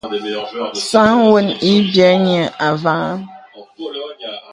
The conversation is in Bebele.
Sāŋ gwə́n ï biə̂ niə avàhàŋ.